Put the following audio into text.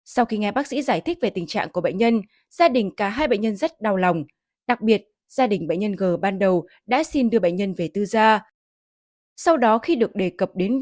sau khi nghe bác sĩ giải thích về tình trạng của bệnh nhân gia đình cả hai bệnh nhân rất đau lòng đặc biệt gia đình bệnh nhân g ban đầu đã xin đưa bệnh nhân về tư da